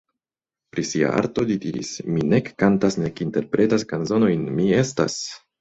Pri sia arto li diris: "Mi nek kantas nek interpretas kanzonojn, mi estas.